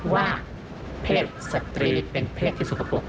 ว่าเพศสตรีเป็นเพศที่สกปรก